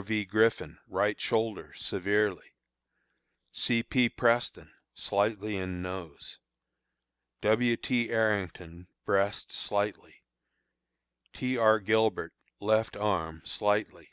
V. Griffin, right shoulder severely; C. P. Preston, slightly in nose; W. T. Arrington, breast slightly; T. R. Gilbert, left arm slightly.